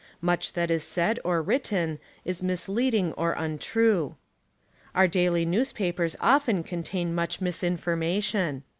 Much that is said or written is misleading or imtrue. Our daily newspapers often contain much misinformation.